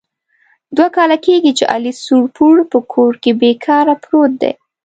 دوه کال کېږي چې علي سوړ پوړ په کور کې بې کاره پروت دی.